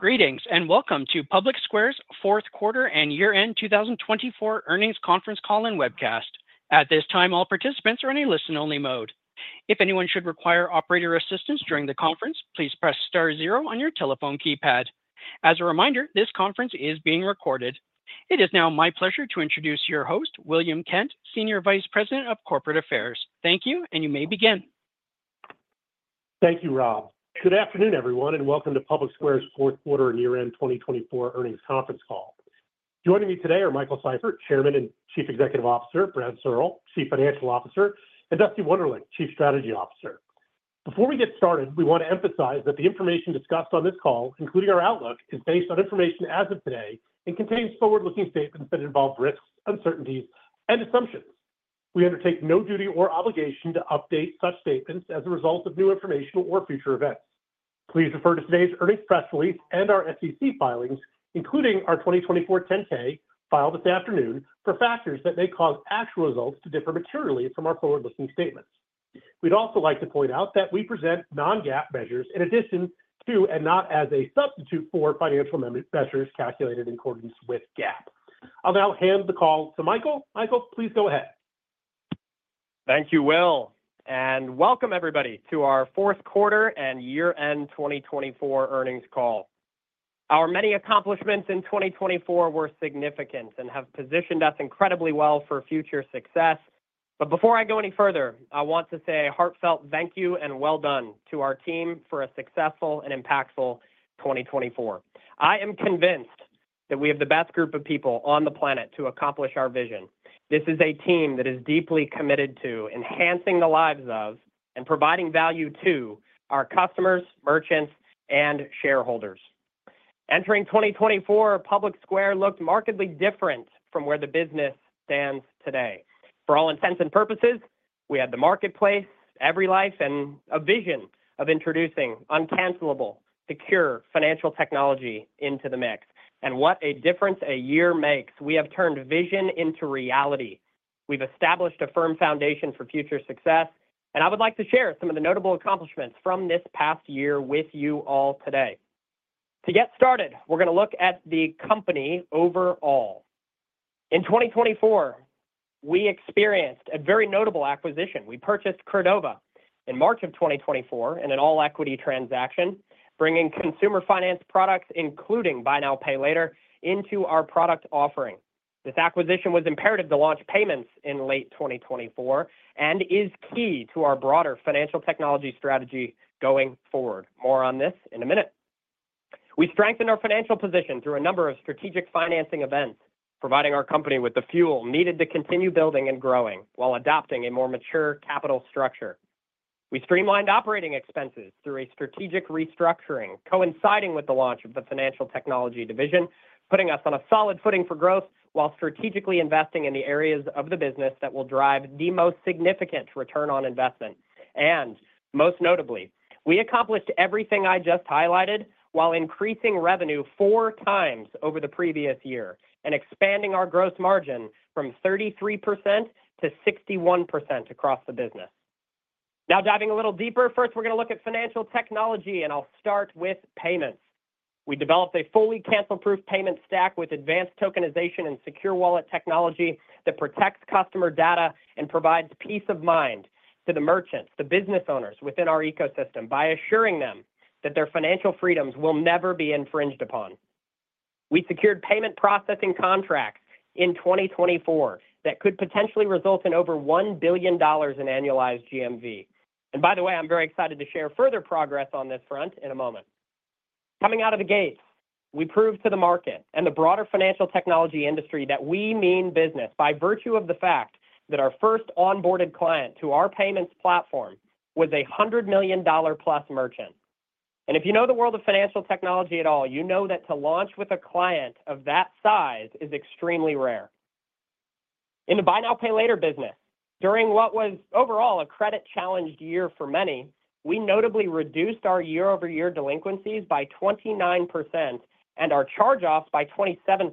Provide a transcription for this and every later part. Greetings and welcome to PublicSquare's fourth quarter and year-end 2024 earnings conference call and webcast. At this time, all participants are in a listen-only mode. If anyone should require operator assistance during the conference, please press star zero on your telephone keypad. As a reminder, this conference is being recorded. It is now my pleasure to introduce your host, William Kent, Senior Vice President of Corporate Affairs. Thank you, and you may begin. Thank you, Rob. Good afternoon, everyone, and welcome to PublicSquare's fourth quarter and year-end 2024 earnings conference call. Joining me today are Michael Seifert, Chairman and Chief Executive Officer; Brad Searle, Chief Financial Officer; and Dusty Wunderlich, Chief Strategy Officer. Before we get started, we want to emphasize that the information discussed on this call, including our outlook, is based on information as of today and contains forward-looking statements that involve risks, uncertainties, and assumptions. We undertake no duty or obligation to update such statements as a result of new information or future events. Please refer to today's earnings press release and our SEC filings, including our 2024 10-K filed this afternoon, for factors that may cause actual results to differ materially from our forward-looking statements. We'd also like to point out that we present non-GAAP measures in addition to and not as a substitute for financial measures calculated in accordance with GAAP. I'll now hand the call to Michael. Michael, please go ahead. Thank you, and welcome, everybody, to our fourth quarter and year-end 2024 earnings call. Our many accomplishments in 2024 were significant and have positioned us incredibly well for future success. Before I go any further, I want to say a heartfelt thank you and well done to our team for a successful and impactful 2024. I am convinced that we have the best group of people on the planet to accomplish our vision. This is a team that is deeply committed to enhancing the lives of and providing value to our customers, merchants, and shareholders. Entering 2024, PublicSquare looked markedly different from where the business stands today. For all intents and purposes, we had the marketplace, EveryLife, and a vision of introducing uncancelable, secure financial technology into the mix. What a difference a year makes, we have turned vision into reality. We've established a firm foundation for future success, and I would like to share some of the notable accomplishments from this past year with you all today. To get started, we're going to look at the company overall. In 2024, we experienced a very notable acquisition. We purchased Credova in March of 2024 in an all-equity transaction, bringing consumer finance products, including Buy Now Pay Later, into our product offering. This acquisition was imperative to launch payments in late 2024 and is key to our broader financial technology strategy going forward. More on this in a minute. We strengthened our financial position through a number of strategic financing events, providing our company with the fuel needed to continue building and growing while adopting a more mature capital structure. We streamlined operating expenses through a strategic restructuring, coinciding with the launch of the financial technology division, putting us on a solid footing for growth while strategically investing in the areas of the business that will drive the most significant return on investment. Most notably, we accomplished everything I just highlighted while increasing revenue four times over the previous year and expanding our gross margin from 33% to 61% across the business. Now, diving a little deeper, first, we're going to look at financial technology, and I'll start with payments. We developed a fully cancel-proof payments stack with advanced tokenization and secure wallet technology that protects customer data and provides peace of mind to the merchants, the business owners within our ecosystem by assuring them that their financial freedoms will never be infringed upon. We secured payment processing contracts in 2024 that could potentially result in over $1 billion in annualized GMV. By the way, I'm very excited to share further progress on this front in a moment. Coming out of the gates, we proved to the market and the broader financial technology industry that we mean business by virtue of the fact that our first onboarded client to our payments platform was a $100 million plus merchant. If you know the world of financial technology at all, you know that to launch with a client of that size is extremely rare. In the Buy Now Pay Later business, during what was overall a credit-challenged year for many, we notably reduced our year-over-year delinquencies by 29% and our charge-offs by 27%.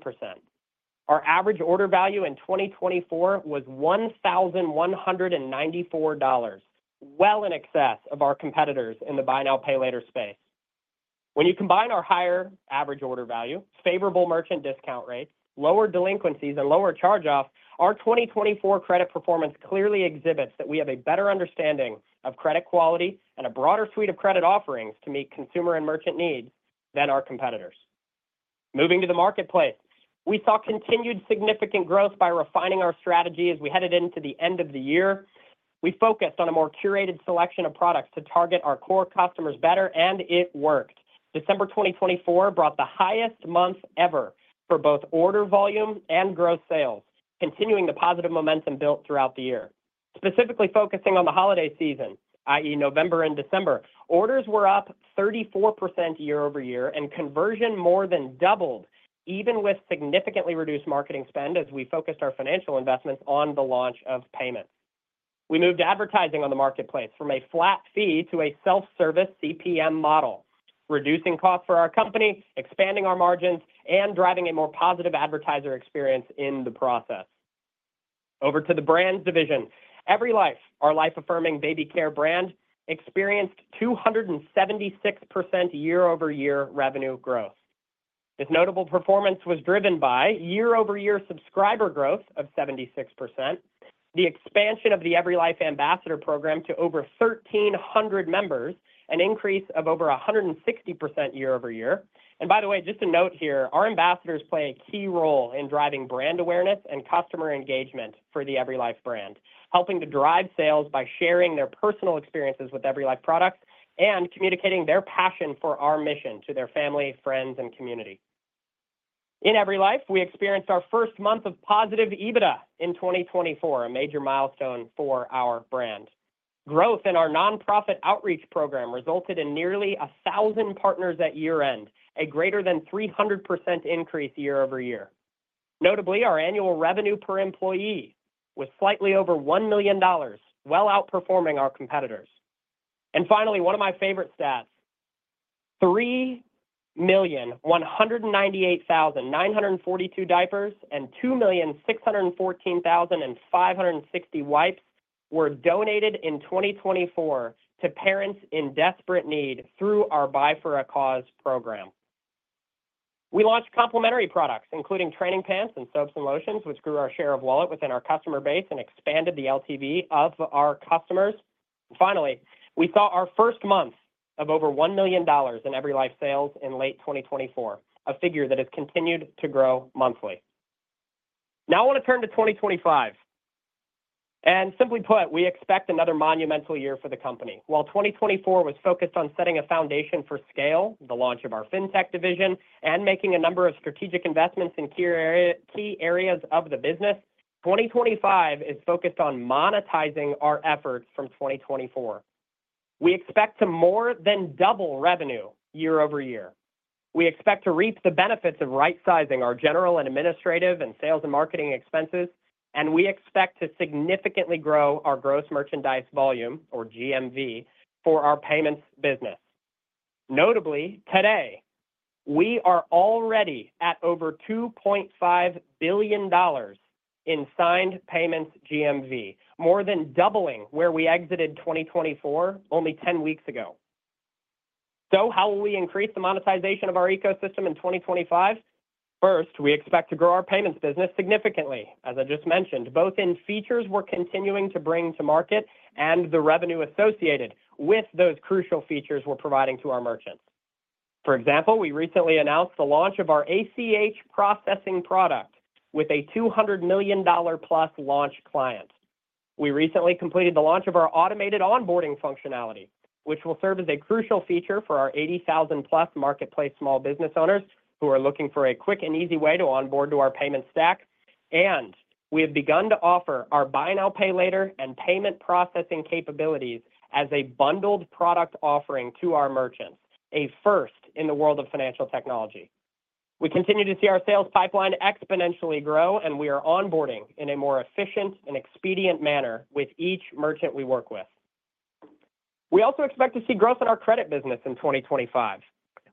Our average order value in 2024 was $1,194, well in excess of our competitors in the Buy Now Pay Later space. When you combine our higher average order value, favorable merchant discount rates, lower delinquencies, and lower charge-offs, our 2024 credit performance clearly exhibits that we have a better understanding of credit quality and a broader suite of credit offerings to meet consumer and merchant needs than our competitors. Moving to the marketplace, we saw continued significant growth by refining our strategy as we headed into the end of the year. We focused on a more curated selection of products to target our core customers better, and it worked. December 2024 brought the highest month ever for both order volume and gross sales, continuing the positive momentum built throughout the year. Specifically focusing on the holiday season, i.e., November and December, orders were up 34% year-over-year, and conversion more than doubled, even with significantly reduced marketing spend as we focused our financial investments on the launch of payments. We moved advertising on the marketplace from a flat fee to a self-service CPM model, reducing costs for our company, expanding our margins, and driving a more positive advertiser experience in the process. Over to the brands division. EveryLife, our life-affirming baby care brand, experienced 276% year-over-year revenue growth. This notable performance was driven by year-over-year subscriber growth of 76%, the expansion of the EveryLife Ambassador program to over 1,300 members, an increase of over 160% year-over-year. By the way, just a note here, our ambassadors play a key role in driving brand awareness and customer engagement for the EveryLife brand, helping to drive sales by sharing their personal experiences with EveryLife products and communicating their passion for our mission to their family, friends, and community. In EveryLife, we experienced our first month of positive EBITDA in 2024, a major milestone for our brand. Growth in our nonprofit outreach program resulted in nearly 1,000 partners at year-end, a greater than 300% increase year-over-year. Notably, our annual revenue per employee was slightly over $1 million, well outperforming our competitors. Finally, one of my favorite stats: 3,198,942 diapers and 2,614,560 wipes were donated in 2024 to parents in desperate need through our Buy for a Cause program. We launched complementary products, including training pants and soaps and lotions, which grew our share of wallet within our customer base and expanded the LTV of our customers. Finally, we saw our first month of over $1 million in EveryLife sales in late 2024, a figure that has continued to grow monthly. Now I want to turn to 2025. Simply put, we expect another monumental year for the company. While 2024 was focused on setting a foundation for scale, the launch of our fintech division, and making a number of strategic investments in key areas of the business, 2025 is focused on monetizing our efforts from 2024. We expect to more than double revenue year-over-year. We expect to reap the benefits of right-sizing our general and administrative and sales and marketing expenses, and we expect to significantly grow our gross merchandise volume, or GMV, for our payments business. Notably, today, we are already at over $2.5 billion in signed payments GMV, more than doubling where we exited 2024 only 10 weeks ago. How will we increase the monetization of our ecosystem in 2025? First, we expect to grow our payments business significantly, as I just mentioned, both in features we're continuing to bring to market and the revenue associated with those crucial features we're providing to our merchants. For example, we recently announced the launch of our ACH processing product with a $200 million plus launch client. We recently completed the launch of our automated onboarding functionality, which will serve as a crucial feature for our 80,000 plus marketplace small business owners who are looking for a quick and easy way to onboard to our Payments Stack. We have begun to offer our Buy Now Pay Later and payment processing capabilities as a bundled product offering to our merchants, a first in the world of financial technology. We continue to see our sales pipeline exponentially grow, and we are onboarding in a more efficient and expedient manner with each merchant we work with. We also expect to see growth in our credit business in 2025.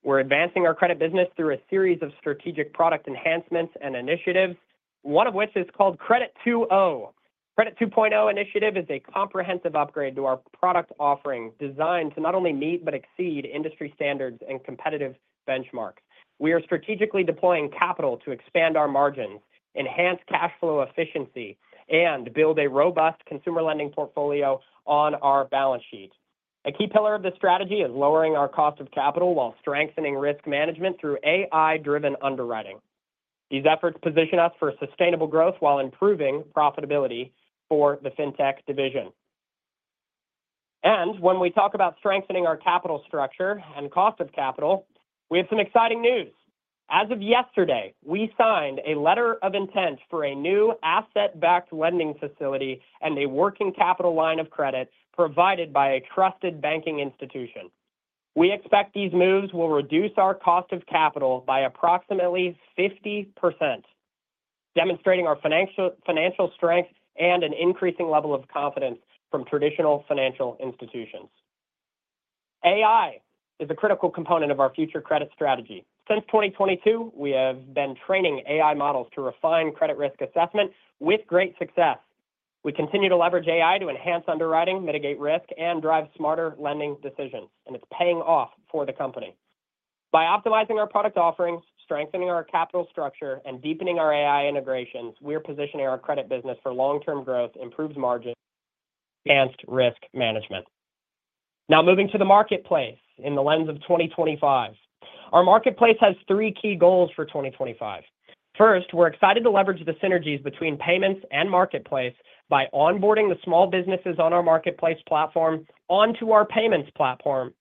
We are advancing our credit business through a series of strategic product enhancements and initiatives, one of which is called Credit 2.0. Credit 2.0 initiative is a comprehensive upgrade to our product offering designed to not only meet but exceed industry standards and competitive benchmarks. We are strategically deploying capital to expand our margins, enhance cash flow efficiency, and build a robust consumer lending portfolio on our balance sheet. A key pillar of this strategy is lowering our cost of capital while strengthening risk management through AI-driven underwriting. These efforts position us for sustainable growth while improving profitability for the fintech division. When we talk about strengthening our capital structure and cost of capital, we have some exciting news. As of yesterday, we signed a letter of intent for a new asset-backed lending facility and a working capital line of credit provided by a trusted banking institution. We expect these moves will reduce our cost of capital by approximately 50%, demonstrating our financial strength and an increasing level of confidence from traditional financial institutions. AI is a critical component of our future credit strategy. Since 2022, we have been training AI models to refine credit risk assessment with great success. We continue to leverage AI to enhance underwriting, mitigate risk, and drive smarter lending decisions, and it's paying off for the company. By optimizing our product offerings, strengthening our capital structure, and deepening our AI integrations, we're positioning our credit business for long-term growth, improved margins, and enhanced risk management. Now moving to the marketplace in the lens of 2025. Our marketplace has three key goals for 2025. First, we're excited to leverage the synergies between payments and marketplace by onboarding the small businesses on our marketplace platform onto our payments platform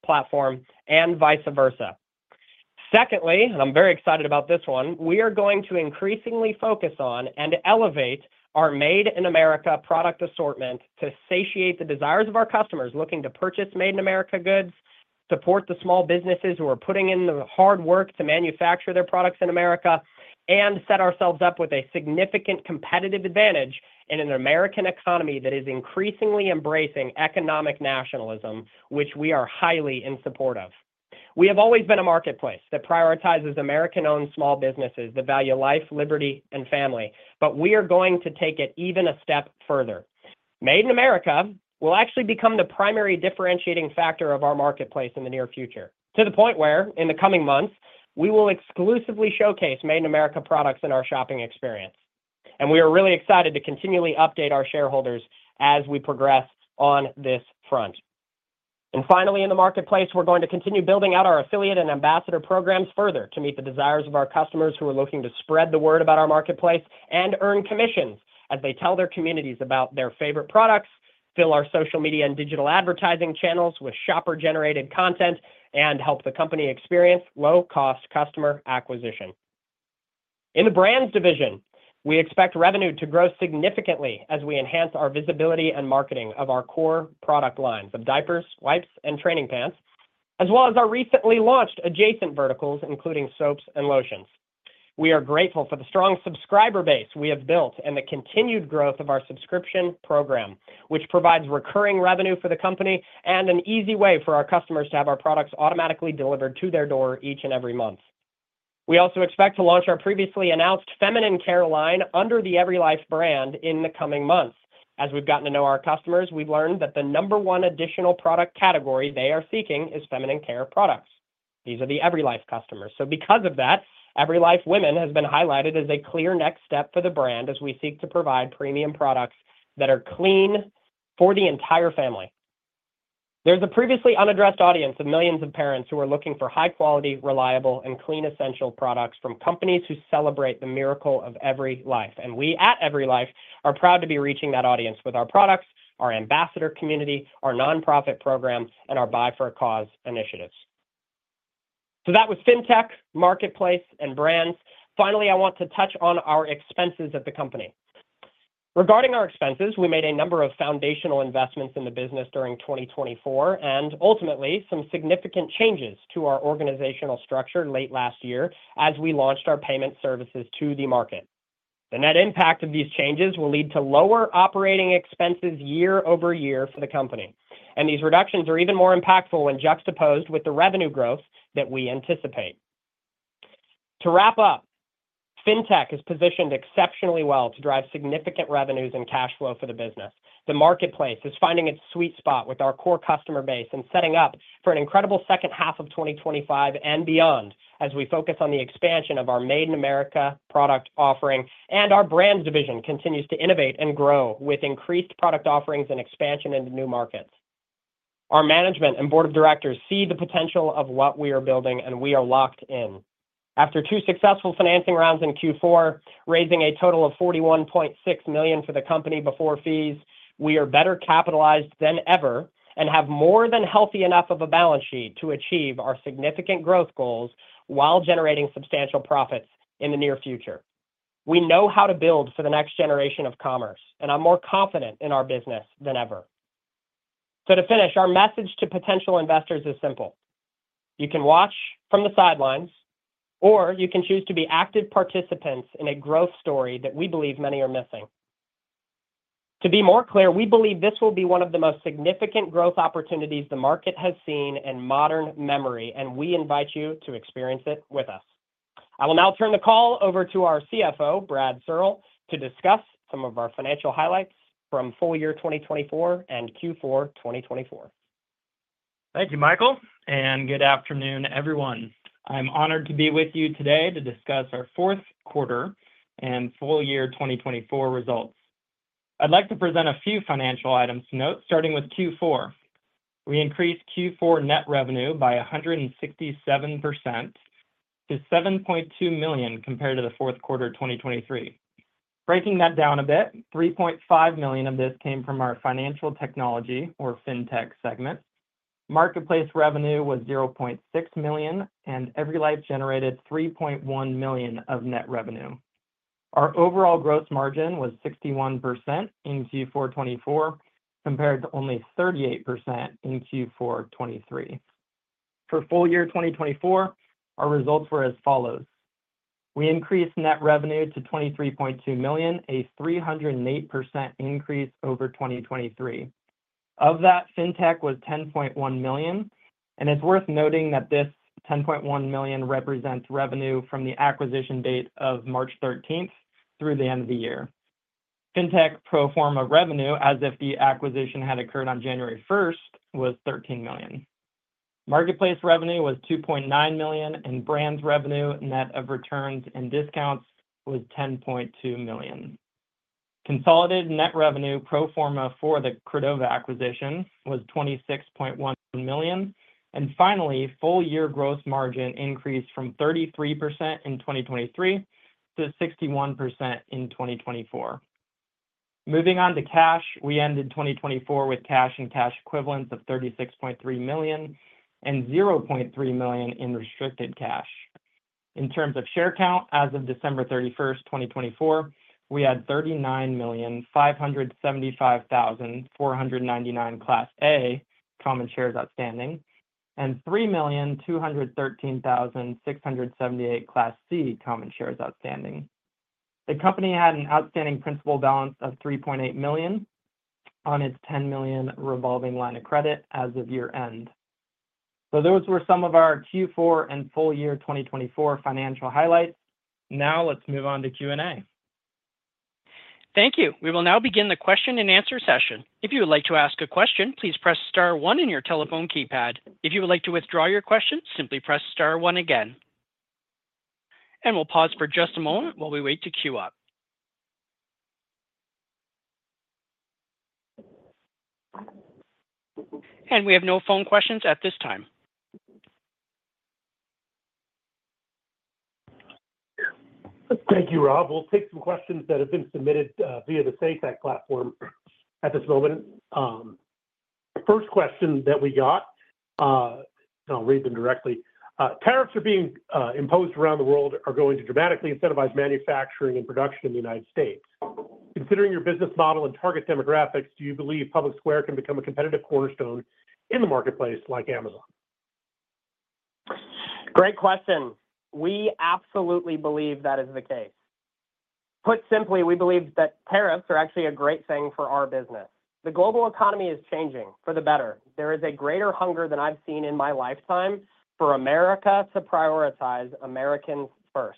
and vice versa. Secondly, and I'm very excited about this one, we are going to increasingly focus on and elevate our Made in America product assortment to satiate the desires of our customers looking to purchase Made in America goods, support the small businesses who are putting in the hard work to manufacture their products in America, and set ourselves up with a significant competitive advantage in an American economy that is increasingly embracing economic nationalism, which we are highly in support of. We have always been a marketplace that prioritizes American-owned small businesses that value life, liberty, and family, but we are going to take it even a step further. Made in America will actually become the primary differentiating factor of our marketplace in the near future, to the point where in the coming months, we will exclusively showcase Made in America products in our shopping experience. We are really excited to continually update our shareholders as we progress on this front. Finally, in the marketplace, we're going to continue building out our affiliate and ambassador programs further to meet the desires of our customers who are looking to spread the word about our marketplace and earn commissions as they tell their communities about their favorite products, fill our social media and digital advertising channels with shopper-generated content, and help the company experience low-cost customer acquisition. In the brands division, we expect revenue to grow significantly as we enhance our visibility and marketing of our core product lines of diapers, wipes, and training pants, as well as our recently launched adjacent verticals, including soaps and lotions. We are grateful for the strong subscriber base we have built and the continued growth of our subscription program, which provides recurring revenue for the company and an easy way for our customers to have our products automatically delivered to their door each and every month. We also expect to launch our previously announced feminine care line under the EveryLife brand in the coming months. As we've gotten to know our customers, we've learned that the number one additional product category they are seeking is feminine care products. These are the EveryLife customers. Because of that, EveryLife Women has been highlighted as a clear next step for the brand as we seek to provide premium products that are clean for the entire family. There's a previously unaddressed audience of millions of parents who are looking for high-quality, reliable, and clean essential products from companies who celebrate the miracle of EveryLife. We at EveryLife are proud to be reaching that audience with our products, our ambassador community, our nonprofit program, and our Buy for a Cause initiatives. That was fintech, marketplace, and brands. Finally, I want to touch on our expenses at the company. Regarding our expenses, we made a number of foundational investments in the business during 2024 and ultimately some significant changes to our organizational structure late last year as we launched our payment services to the market. The net impact of these changes will lead to lower operating expenses year-over-year for the company. These reductions are even more impactful when juxtaposed with the revenue growth that we anticipate. To wrap up, fintech is positioned exceptionally well to drive significant revenues and cash flow for the business. The marketplace is finding its sweet spot with our core customer base and setting up for an incredible second half of 2025 and beyond as we focus on the expansion of our Made in America product offering and our brands division continues to innovate and grow with increased product offerings and expansion into new markets. Our management and board of directors see the potential of what we are building, and we are locked in. After two successful financing rounds in Q4, raising a total of $41.6 million for the company before fees, we are better capitalized than ever and have more than healthy enough of a balance sheet to achieve our significant growth goals while generating substantial profits in the near future. We know how to build for the next generation of commerce, and I'm more confident in our business than ever. To finish, our message to potential investors is simple. You can watch from the sidelines, or you can choose to be active participants in a growth story that we believe many are missing. To be more clear, we believe this will be one of the most significant growth opportunities the market has seen in modern memory, and we invite you to experience it with us. I will now turn the call over to our CFO, Brad Searle, to discuss some of our financial highlights from full year 2024 and Q4 2024. Thank you, Michael, and good afternoon, everyone. I'm honored to be with you today to discuss our fourth quarter and full year 2024 results. I'd like to present a few financial items to note, starting with Q4. We increased Q4 net revenue by 167% to $7.2 million compared to the fourth quarter of 2023. Breaking that down a bit, $3.5 million of this came from our financial technology, or fintech segment. Marketplace revenue was $0.6 million, and EveryLife generated $3.1 million of net revenue. Our overall gross margin was 61% in Q4 2024 compared to only 38% in Q4 2023. For full year 2024, our results were as follows. We increased net revenue to $23.2 million, a 308% increase over 2023. Of that, fintech was $10.1 million, and it's worth noting that this $10.1 million represents revenue from the acquisition date of March 13th through the end of the year. Fintech pro forma revenue, as if the acquisition had occurred on January 1st, was $13 million. Marketplace revenue was $2.9 million, and brands revenue, net of returns and discounts, was $10.2 million. Consolidated net revenue pro forma for the Credova acquisition was $26.1 million. Finally, full year gross margin increased from 33% in 2023 to 61% in 2024. Moving on to cash, we ended 2024 with cash and cash equivalents of $36.3 million and $0.3 million in restricted cash. In terms of share count, as of December 31, 2024, we had 39,575,499 Class A common shares outstanding and 3,213,678 Class C common shares outstanding. The company had an outstanding principal balance of $3.8 million on its $10 million revolving line of credit as of year-end. Those were some of our Q4 and full year 2024 financial highlights. Now let's move on to Q&A. Thank you. We will now begin the question and answer session. If you would like to ask a question, please press star one on your telephone keypad. If you would like to withdraw your question, simply press star one again. We'll pause for just a moment while we wait to queue up. We have no phone questions at this time. Thank you, Rob. We'll take some questions that have been submitted via the SAFECT platform at this moment. First question that we got, and I'll read them directly. Tariffs are being imposed around the world are going to dramatically incentivize manufacturing and production in the United States. Considering your business model and target demographics, do you believe PublicSquare can become a competitive cornerstone in the marketplace like Amazon? Great question. We absolutely believe that is the case. Put simply, we believe that tariffs are actually a great thing for our business. The global economy is changing for the better. There is a greater hunger than I've seen in my lifetime for America to prioritize Americans first.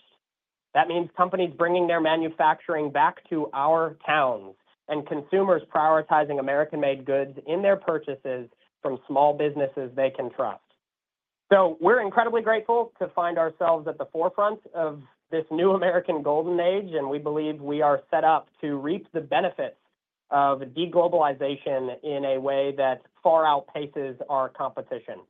That means companies bringing their manufacturing back to our towns and consumers prioritizing American-made goods in their purchases from small businesses they can trust. We are incredibly grateful to find ourselves at the forefront of this new American golden age, and we believe we are set up to reap the benefits of deglobalization in a way that far outpaces our competition.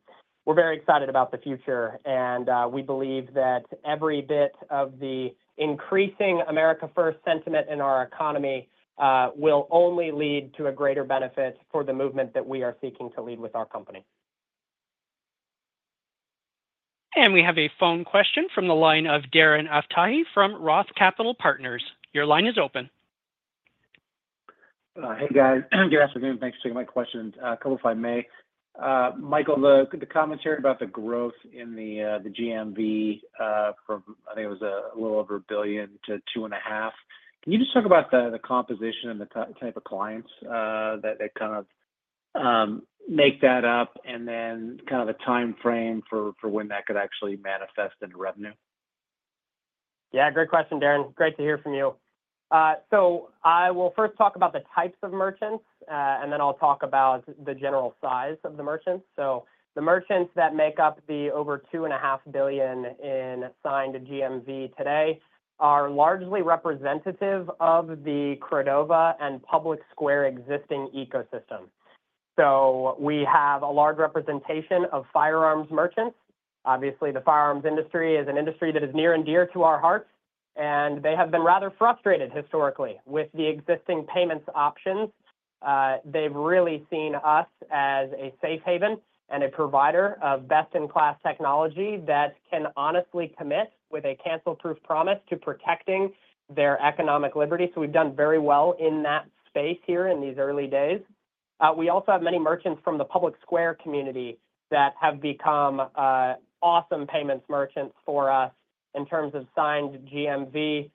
We are very excited about the future, and we believe that every bit of the increasing America First sentiment in our economy will only lead to a greater benefit for the movement that we are seeking to lead with our company. We have a phone question from the line of Darren Aftahi from Roth Capital Partners. Your line is open. Hey, guys. Good afternoon. Thanks for taking my questions. A couple if I may. Michael, the commentary about the growth in the GMV from, I think it was a little over a billion to two and a half. Can you just talk about the composition and the type of clients that kind of make that up, and then kind of a timeframe for when that could actually manifest in revenue? Yeah, great question, Darren. Great to hear from you. I will first talk about the types of merchants, and then I'll talk about the general size of the merchants. The merchants that make up the over $2.5 billion in assigned GMV today are largely representative of the Credova and PublicSquare existing ecosystem. We have a large representation of firearms merchants. Obviously, the firearms industry is an industry that is near and dear to our hearts, and they have been rather frustrated historically with the existing payments options. They've really seen us as a safe haven and a provider of best-in-class technology that can honestly commit with a cancel-proof promise to protecting their economic liberty. We've done very well in that space here in these early days. We also have many merchants from the PublicSquare community that have become awesome payments merchants for us in terms of signed GMV,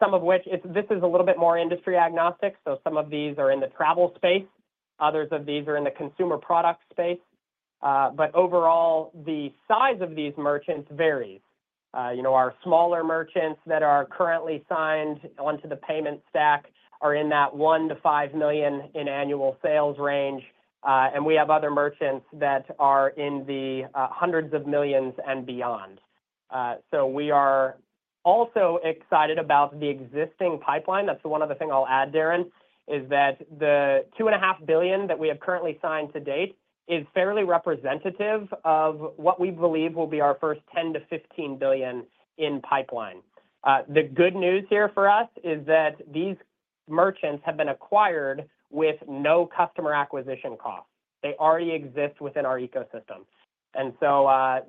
some of which, this is a little bit more industry agnostic. Some of these are in the travel space. Others of these are in the consumer product space. Overall, the size of these merchants varies. Our smaller merchants that are currently signed onto the Payments Stack are in that $1 million to $5 million in annual sales range, and we have other merchants that are in the hundreds of millions and beyond. We are also excited about the existing pipeline. One other thing I'll add, Darren, is that the $2.5 billion that we have currently signed to date is fairly representative of what we believe will be our first $10 billion to $15 billion in pipeline. The good news here for us is that these merchants have been acquired with no customer acquisition costs. They already exist within our ecosystem.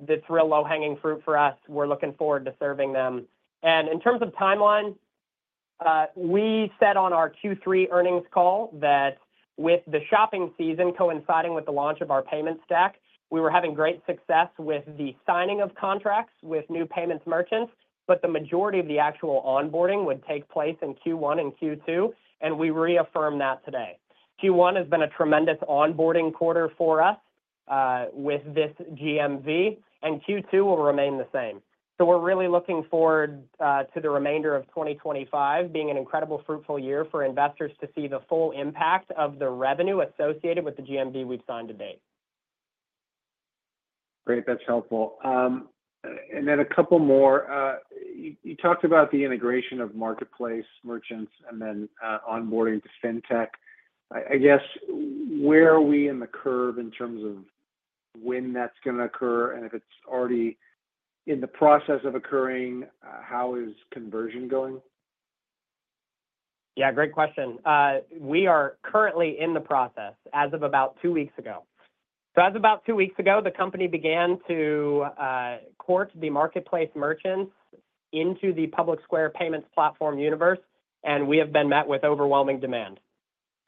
This is real low-hanging fruit for us, and we're looking forward to serving them. In terms of timeline, we said on our Q3 earnings call that with the shopping season coinciding with the launch of our Payments Stack, we were having great success with the signing of contracts with new payments merchants, but the majority of the actual onboarding would take place in Q1 and Q2, and we reaffirm that today. Q1 has been a tremendous onboarding quarter for us with this GMV, and Q2 will remain the same. We are really looking forward to the remainder of 2025 being an incredibly fruitful year for investors to see the full impact of the revenue associated with the GMV we have signed to date. Great. That is helpful. A couple more. You talked about the integration of marketplace merchants and then onboarding to fintech. I guess, where are we in the curve in terms of when that is going to occur? If it's already in the process of occurring, how is conversion going? Yeah, great question. We are currently in the process as of about two weeks ago. As of about two weeks ago, the company began to court the marketplace merchants into the PublicSquare Payments platform universe, and we have been met with overwhelming demand.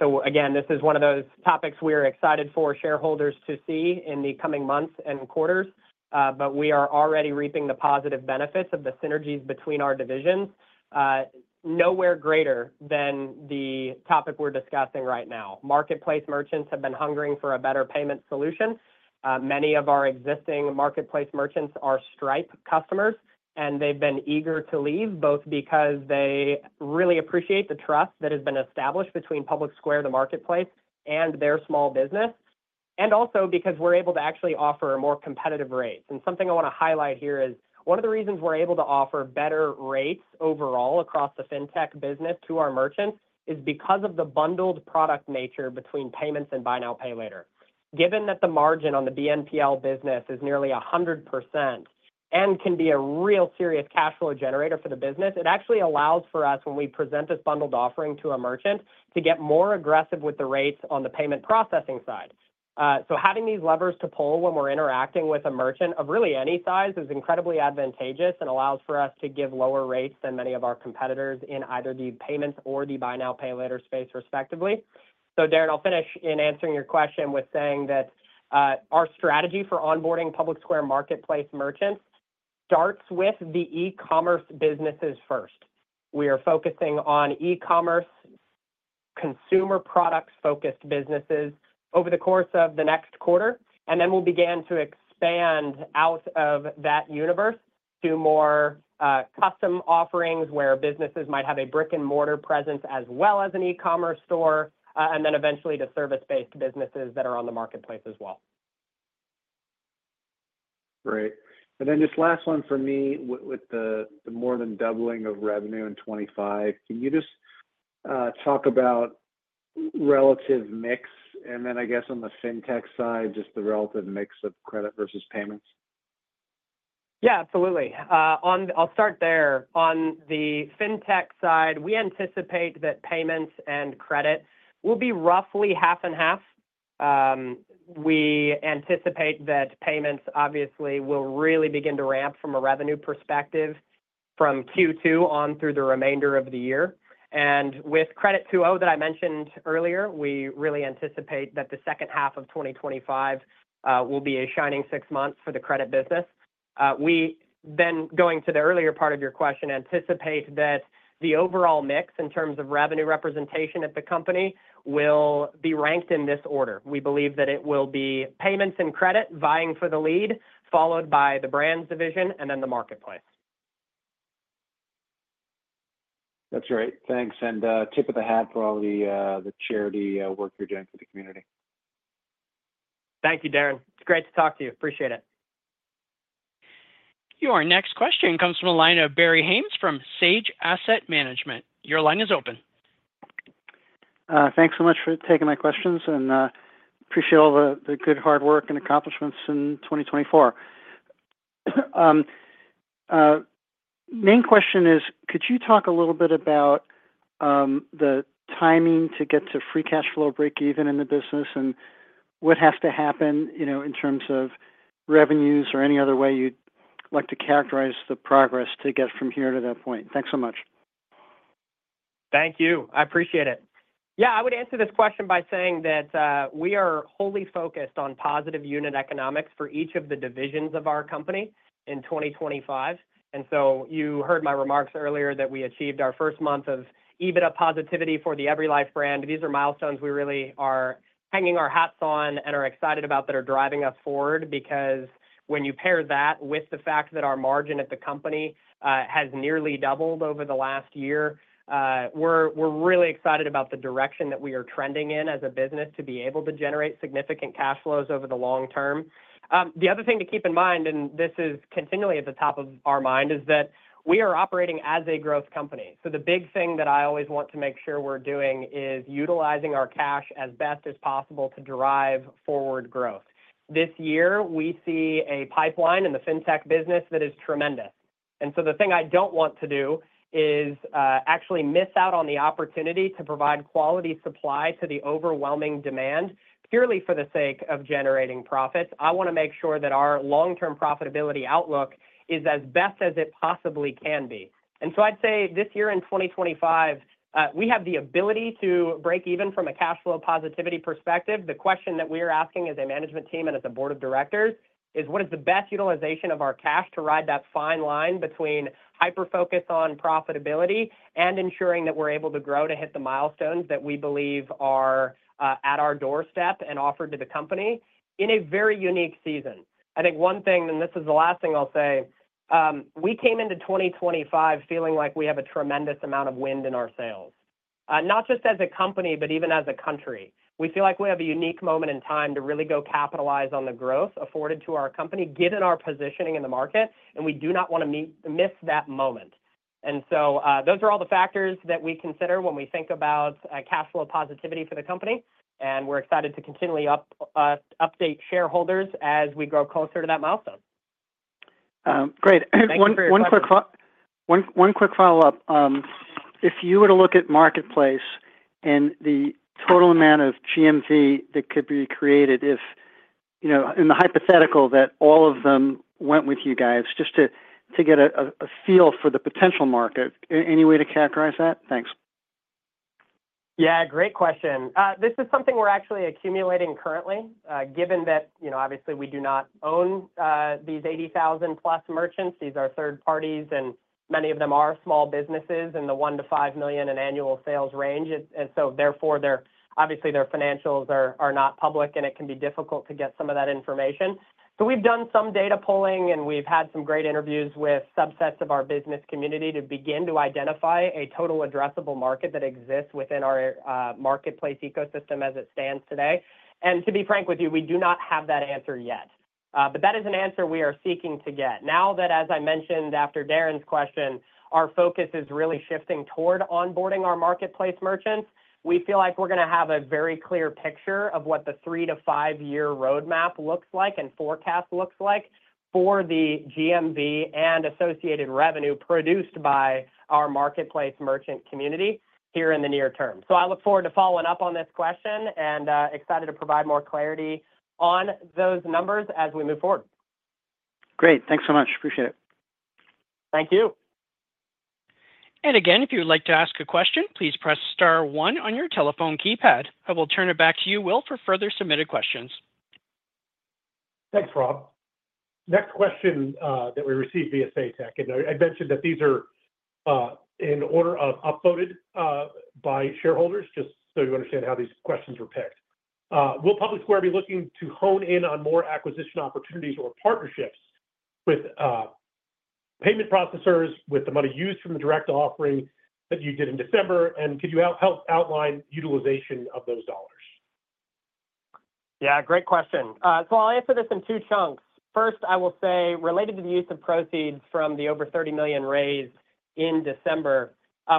This is one of those topics we are excited for shareholders to see in the coming months and quarters, but we are already reaping the positive benefits of the synergies between our divisions. Nowhere greater than the topic we're discussing right now. Marketplace merchants have been hungering for a better payment solution. Many of our existing marketplace merchants are Stripe customers, and they've been eager to leave, both because they really appreciate the trust that has been established between PublicSquare, the marketplace, and their small business, and also because we're able to actually offer more competitive rates. Something I want to highlight here is one of the reasons we're able to offer better rates overall across the fintech business to our merchants is because of the bundled product nature between payments and Buy Now Pay Later. Given that the margin on the BNPL business is nearly 100% and can be a real serious cash flow generator for the business, it actually allows for us, when we present this bundled offering to a merchant, to get more aggressive with the rates on the payment processing side. Having these levers to pull when we're interacting with a merchant of really any size is incredibly advantageous and allows for us to give lower rates than many of our competitors in either the payments or the buy now, pay later space, respectively. Darren, I'll finish in answering your question with saying that our strategy for onboarding PublicSquare Marketplace merchants starts with the e-commerce businesses first. We are focusing on e-commerce, consumer product-focused businesses over the course of the next quarter, and then we'll begin to expand out of that universe to more custom offerings where businesses might have a brick-and-mortar presence as well as an e-commerce store, and then eventually to service-based businesses that are on the marketplace as well. Great. This last one for me with the more than doubling of revenue in 2025, can you just talk about relative mix? I guess on the fintech side, just the relative mix of credit versus payments? Yeah, absolutely. I'll start there. On the fintech side, we anticipate that payments and credit will be roughly half and half. We anticipate that payments, obviously, will really begin to ramp from a revenue perspective from Q2 on through the remainder of the year. With Credit 2.0 that I mentioned earlier, we really anticipate that the second half of 2025 will be a shining six months for the credit business. Going to the earlier part of your question, we anticipate that the overall mix in terms of revenue representation at the company will be ranked in this order. We believe that it will be payments and credit vying for the lead, followed by the brands division, and then the marketplace. That's great. Thanks. Tip of the hat for all the charity work you're doing for the community. Thank you, Darren. It's great to talk to you. Appreciate it. Your next question comes from a line of Barry Haines from SAGE Asset Management. Your line is open. Thanks so much for taking my questions, and I appreciate all the good hard work and accomplishments in 2024. Main question is, could you talk a little bit about the timing to get to free cash flow break-even in the business, and what has to happen in terms of revenues or any other way you'd like to characterize the progress to get from here to that point? Thanks so much. Thank you. I appreciate it. Yeah, I would answer this question by saying that we are wholly focused on positive unit economics for each of the divisions of our company in 2025. You heard my remarks earlier that we achieved our first month of EBITDA positivity for the EveryLife brand. These are milestones we really are hanging our hats on and are excited about that are driving us forward because when you pair that with the fact that our margin at the company has nearly doubled over the last year, we're really excited about the direction that we are trending in as a business to be able to generate significant cash flows over the long term. The other thing to keep in mind, and this is continually at the top of our mind, is that we are operating as a growth company. The big thing that I always want to make sure we're doing is utilizing our cash as best as possible to drive forward growth. This year, we see a pipeline in the fintech business that is tremendous. The thing I do not want to do is actually miss out on the opportunity to provide quality supply to the overwhelming demand purely for the sake of generating profits. I want to make sure that our long-term profitability outlook is as best as it possibly can be. I would say this year in 2025, we have the ability to break even from a cash flow positivity perspective. The question that we are asking as a management team and as a board of directors is, what is the best utilization of our cash to ride that fine line between hyper-focus on profitability and ensuring that we are able to grow to hit the milestones that we believe are at our doorstep and offered to the company in a very unique season? I think one thing, and this is the last thing I'll say, we came into 2025 feeling like we have a tremendous amount of wind in our sails, not just as a company, but even as a country. We feel like we have a unique moment in time to really go capitalize on the growth afforded to our company, given our positioning in the market, and we do not want to miss that moment. Those are all the factors that we consider when we think about cash flow positivity for the company, and we're excited to continually update shareholders as we grow closer to that milestone. Great. One quick follow-up. If you were to look at marketplace and the total amount of GMV that could be created in the hypothetical that all of them went with you guys, just to get a feel for the potential market, any way to characterize that? Thanks. Yeah, great question. This is something we're actually accumulating currently, given that obviously we do not own these 80,000-plus merchants. These are third parties, and many of them are small businesses in the $1 million to $5 million in annual sales range. Therefore, obviously, their financials are not public, and it can be difficult to get some of that information. We've done some data pulling, and we've had some great interviews with subsets of our business community to begin to identify a total addressable market that exists within our marketplace ecosystem as it stands today. To be frank with you, we do not have that answer yet. That is an answer we are seeking to get. Now that, as I mentioned after Darren's question, our focus is really shifting toward onboarding our marketplace merchants, we feel like we're going to have a very clear picture of what the three to five-year roadmap looks like and forecast looks like for the GMV and associated revenue produced by our marketplace merchant community here in the near term. I look forward to following up on this question and excited to provide more clarity on those numbers as we move forward. Great. Thanks so much. Appreciate it. Thank you. Again, if you would like to ask a question, please press star one on your telephone keypad. I will turn it back to you, Will, for further submitted questions. Thanks, Rob. Next question that we received via SAITech, and I mentioned that these are in order of upvoted by shareholders, just so you understand how these questions were picked. Will PublicSquare be looking to hone in on more acquisition opportunities or partnerships with payment processors with the money used from the direct offering that you did in December? Could you help outline utilization of those dollars? Yeah, great question. I'll answer this in two chunks. First, I will say related to the use of proceeds from the over $30 million raised in December,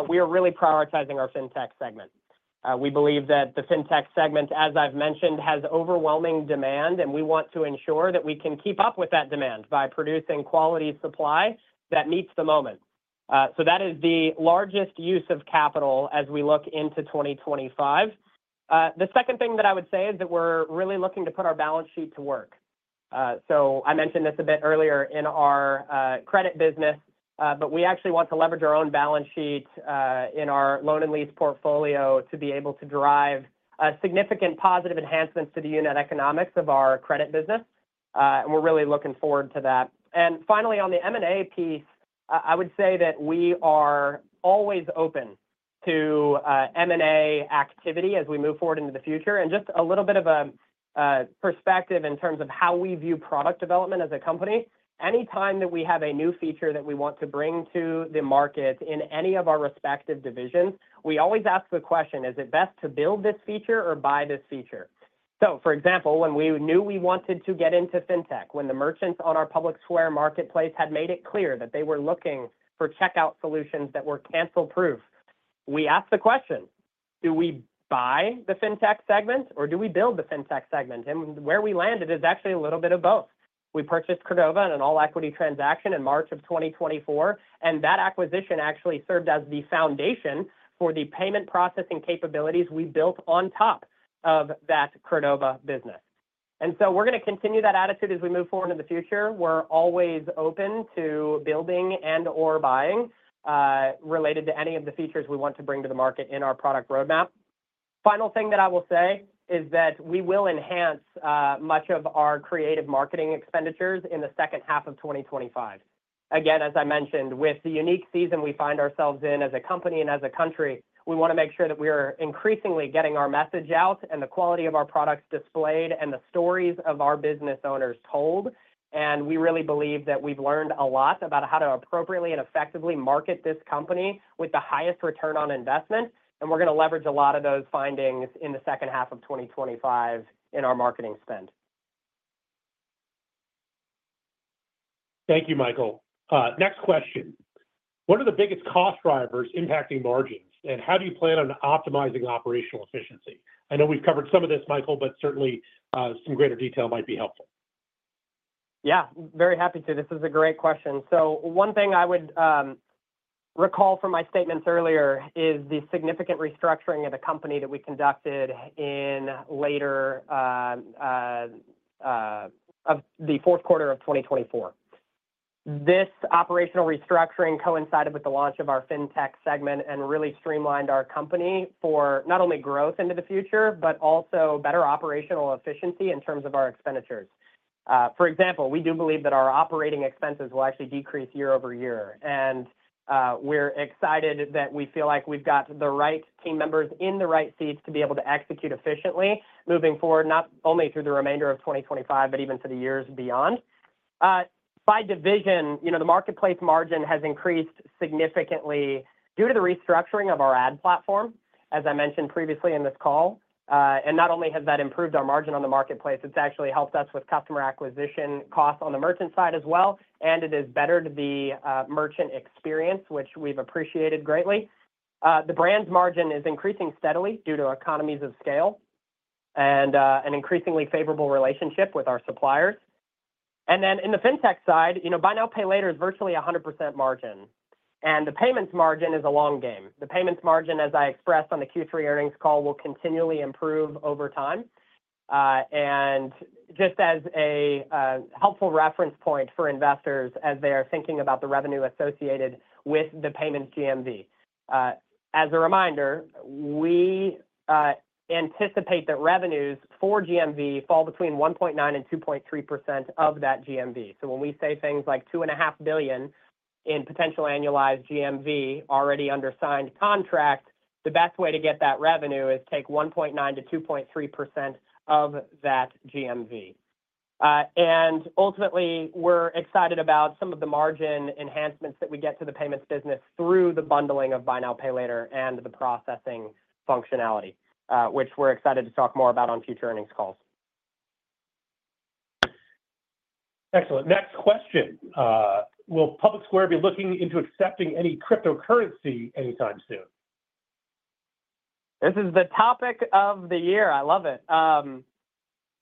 we are really prioritizing our fintech segment. We believe that the fintech segment, as I've mentioned, has overwhelming demand, and we want to ensure that we can keep up with that demand by producing quality supply that meets the moment. That is the largest use of capital as we look into 2025. The second thing that I would say is that we're really looking to put our balance sheet to work. I mentioned this a bit earlier in our credit business, but we actually want to leverage our own balance sheet in our loan and lease portfolio to be able to drive significant positive enhancements to the unit economics of our credit business. We're really looking forward to that. Finally, on the M&A piece, I would say that we are always open to M&A activity as we move forward into the future. Just a little bit of a perspective in terms of how we view product development as a company. Anytime that we have a new feature that we want to bring to the market in any of our respective divisions, we always ask the question, is it best to build this feature or buy this feature? For example, when we knew we wanted to get into fintech, when the merchants on our PublicSquare Marketplace had made it clear that they were looking for checkout solutions that were cancel-proof, we asked the question, do we buy the fintech segment or do we build the fintech segment? Where we landed is actually a little bit of both. We purchased Credova in an all-equity transaction in March of 2024, and that acquisition actually served as the foundation for the payment processing capabilities we built on top of that Credova business. We are going to continue that attitude as we move forward in the future. We are always open to building and/or buying related to any of the features we want to bring to the market in our product roadmap. Final thing that I will say is that we will enhance much of our creative marketing expenditures in the second half of 2025. Again, as I mentioned, with the unique season we find ourselves in as a company and as a country, we want to make sure that we are increasingly getting our message out and the quality of our products displayed and the stories of our business owners told. We really believe that we've learned a lot about how to appropriately and effectively market this company with the highest return on investment. We're going to leverage a lot of those findings in the second half of 2025 in our marketing spend. Thank you, Michael. Next question. What are the biggest cost drivers impacting margins, and how do you plan on optimizing operational efficiency? I know we've covered some of this, Michael, but certainly some greater detail might be helpful. Yeah, very happy to. This is a great question. One thing I would recall from my statements earlier is the significant restructuring of the company that we conducted in later of the fourth quarter of 2024. This operational restructuring coincided with the launch of our fintech segment and really streamlined our company for not only growth into the future, but also better operational efficiency in terms of our expenditures. For example, we do believe that our operating expenses will actually decrease year over year. We're excited that we feel like we've got the right team members in the right seats to be able to execute efficiently moving forward, not only through the remainder of 2025, but even to the years beyond. By division, the marketplace margin has increased significantly due to the restructuring of our ad platform, as I mentioned previously in this call. Not only has that improved our margin on the marketplace, it has actually helped us with customer acquisition costs on the merchant side as well, and it has bettered the merchant experience, which we've appreciated greatly. The brand's margin is increasing steadily due to economies of scale and an increasingly favorable relationship with our suppliers. In the fintech side, buy now, pay later is virtually 100% margin. The payments margin is a long game. The payments margin, as I expressed on the Q3 earnings call, will continually improve over time. Just as a helpful reference point for investors as they are thinking about the revenue associated with the payments GMV. As a reminder, we anticipate that revenues for GMV fall between 1.9% and 2.3% of that GMV. When we say things like $2.5 billion in potential annualized GMV already under signed contract, the best way to get that revenue is take 1.9%-2.3% of that GMV. Ultimately, we're excited about some of the margin enhancements that we get to the payments business through the bundling of Buy Now Pay Later and the processing functionality, which we're excited to talk more about on future earnings calls. Excellent. Next question. Will PublicSquare be looking into accepting any cryptocurrency anytime soon? This is the topic of the year. I love it.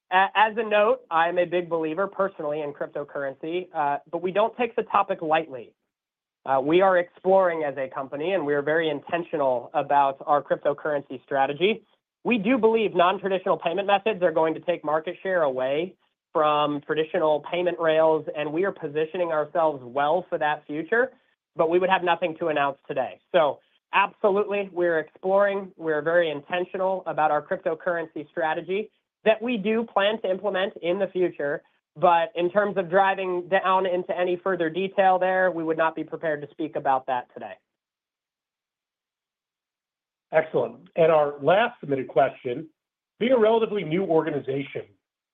As a note, I am a big believer personally in cryptocurrency, but we don't take the topic lightly. We are exploring as a company, and we are very intentional about our cryptocurrency strategy. We do believe non-traditional payment methods are going to take market share away from traditional payment rails, and we are positioning ourselves well for that future, but we would have nothing to announce today. Absolutely, we're exploring. We're very intentional about our cryptocurrency strategy that we do plan to implement in the future, but in terms of driving down into any further detail there, we would not be prepared to speak about that today. Excellent. Our last submitted question. Being a relatively new organization,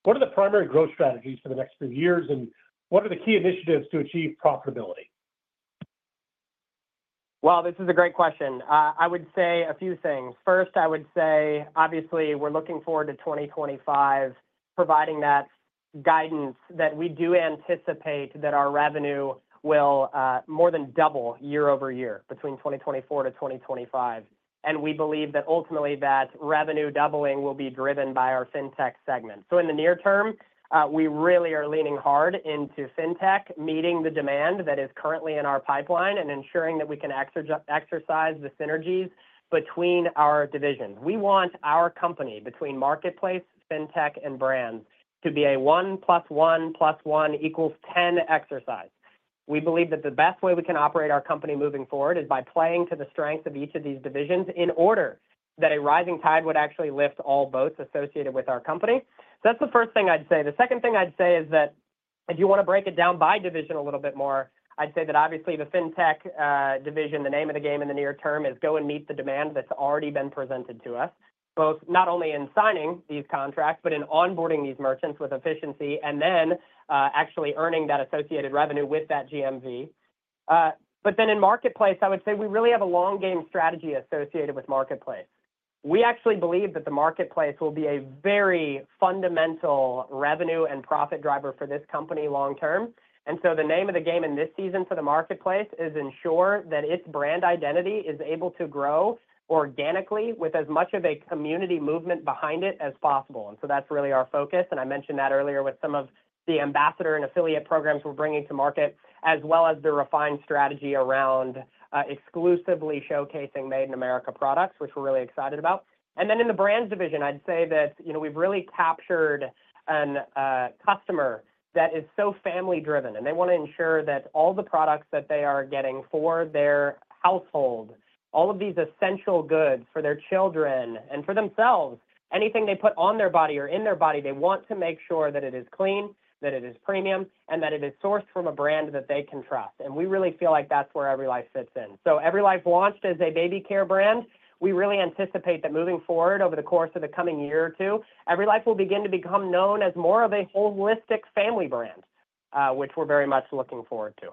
what are the primary growth strategies for the next few years, and what are the key initiatives to achieve profitability? This is a great question. I would say a few things. First, I would say, obviously, we're looking forward to 2025, providing that guidance that we do anticipate that our revenue will more than double year over year between 2024 to 2025. We believe that ultimately that revenue doubling will be driven by our fintech segment. In the near term, we really are leaning hard into fintech, meeting the demand that is currently in our pipeline and ensuring that we can exercise the synergies between our divisions. We want our company between marketplace, fintech, and brands to be a 1 plus 1 plus 1 equals 10 exercise. We believe that the best way we can operate our company moving forward is by playing to the strengths of each of these divisions in order that a rising tide would actually lift all boats associated with our company. That is the first thing I'd say. The second thing I'd say is that if you want to break it down by division a little bit more, I'd say that obviously the fintech division, the name of the game in the near term is go and meet the demand that's already been presented to us, both not only in signing these contracts, but in onboarding these merchants with efficiency and then actually earning that associated revenue with that GMV. In marketplace, I would say we really have a long game strategy associated with marketplace. We actually believe that the marketplace will be a very fundamental revenue and profit driver for this company long term. The name of the game in this season for the marketplace is ensure that its brand identity is able to grow organically with as much of a community movement behind it as possible. That's really our focus. I mentioned that earlier with some of the ambassador and affiliate programs we're bringing to market, as well as the refined strategy around exclusively showcasing Made in America products, which we're really excited about. In the brands division, I'd say that we've really captured a customer that is so family-driven, and they want to ensure that all the products that they are getting for their household, all of these essential goods for their children and for themselves, anything they put on their body or in their body, they want to make sure that it is clean, that it is premium, and that it is sourced from a brand that they can trust. We really feel like that's where EveryLife fits in. EveryLife launched as a baby care brand. We really anticipate that moving forward over the course of the coming year or two, EveryLife will begin to become known as more of a holistic family brand, which we're very much looking forward to.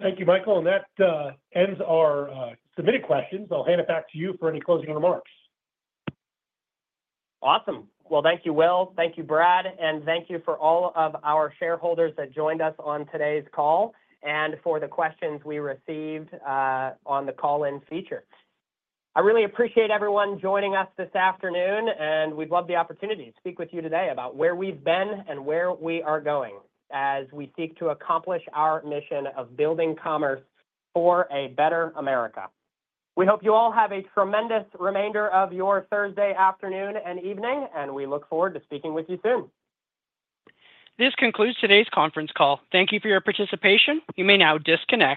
Thank you, Michael. That ends our submitted questions. I'll hand it back to you for any closing remarks. Awesome. Thank you, Will. Thank you, Brad. Thank you for all of our shareholders that joined us on today's call and for the questions we received on the call-in feature. I really appreciate everyone joining us this afternoon, and we'd love the opportunity to speak with you today about where we've been and where we are going as we seek to accomplish our mission of building commerce for a better America. We hope you all have a tremendous remainder of your Thursday afternoon and evening, and we look forward to speaking with you soon. This concludes today's conference call. Thank you for your participation. You may now disconnect.